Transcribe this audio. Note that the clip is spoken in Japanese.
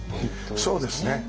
そうですね。